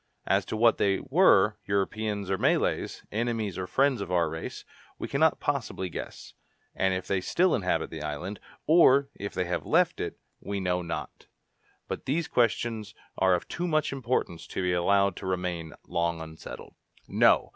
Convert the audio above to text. As to what they were, Europeans or Malays, enemies or friends of our race, we cannot possibly guess; and if they still inhabit the island, or if they have left it, we know not. But these questions are of too much importance to be allowed to remain long unsettled." "No!